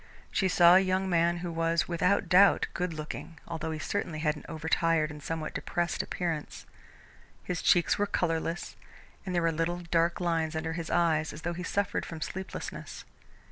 She saw a young man who was, without doubt, good looking, although he certainly had an over tired and somewhat depressed appearance. His cheeks were colourless, and there were little dark lines under his eyes as though he suffered from sleeplessness.